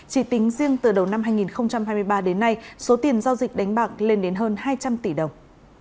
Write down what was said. chỉ tính riêng từ đầu năm hai nghìn hai mươi ba đến nay số tiền giao dịch đánh bạc lên đến hơn hai trăm linh tỷ đồng